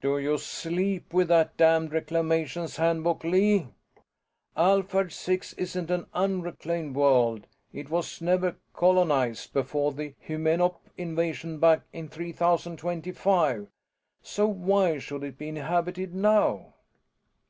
"Do you sleep with that damned Reclamations Handbook, Lee? Alphard Six isn't an unreclaimed world it was never colonized before the Hymenop invasion back in 3025, so why should it be inhabited now?"